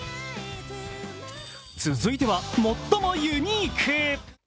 続いては最もユニーク。